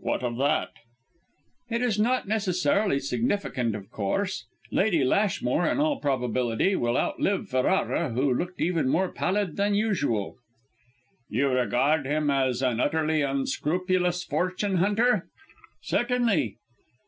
"What of that?" "It is not necessarily significant, of course; Lord Lashmore in all probability will outlive Ferrara, who looked even more pallid than usual." "You regard him as an utterly unscrupulous fortune hunter?" "Certainly."